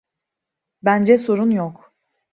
Bence sorun yok.